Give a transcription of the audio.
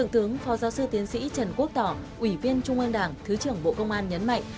tướng phó giáo sư tiến sĩ trần quốc tỏ ủy viên trung an đảng thứ trưởng bộ công an nhấn mạnh